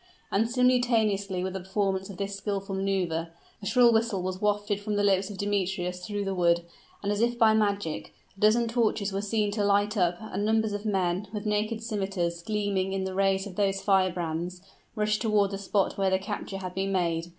And simultaneously with the performance of this skillful maneuver, a shrill whistle was wafted from the lips of Demetrius through the wood, and as if by magic, a dozen torches were seen to light up and numbers of men, with naked scimiters gleaming in the rays of those firebrands, rushed toward the spot where the capture had been made.